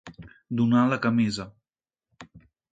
Donar la camisa.